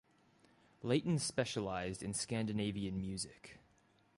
Layton specialised in Scandinavian music.